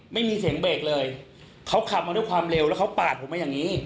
ไม่มีเสียงเบรกเลยเขาขับมาด้วยความเร็วแล้วเขาปาดผมมาอย่างนี้